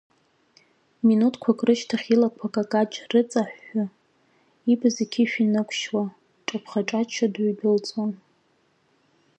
Минуҭқәак рышьҭахь илақәа акакаҷ рыҵаҳәҳәы, ибз иқьышә инықәшьуа, дҿаԥха-ҿаччо дыҩдәылҵуан.